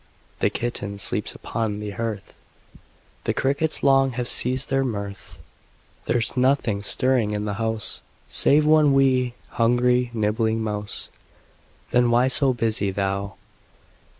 The kitten sleeps upon the hearth, The crickets long have ceased their mirth; There's nothing stirring in the house Save one 'wee', hungry, nibbling mouse, Then why so busy thou?